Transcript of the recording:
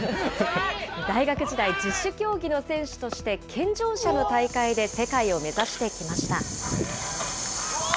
大学時代、十種競技の選手として健常者の大会で世界を目指してきました。